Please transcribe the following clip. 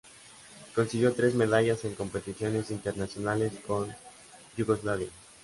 Consiguió tres medallas en competiciones internacionales con Yugoslavia.